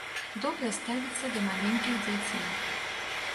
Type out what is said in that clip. Добра ставіцца да маленькіх дзяцей.